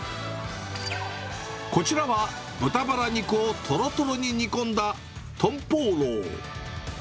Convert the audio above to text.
こちらは豚バラ肉をとろとろに煮込んだトンポウロウ。